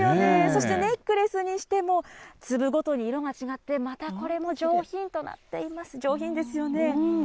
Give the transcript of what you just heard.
そして、ネックレスにしても、粒ごとに色が違って、またこれも上品ですよね。